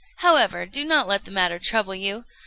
However, do not let the matter trouble you.